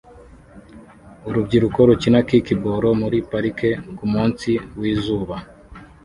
Urubyiruko rukina kickball muri parike kumunsi wizuba